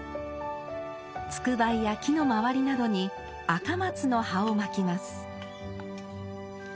つくばいや木の周りなどに赤松の葉をまきます。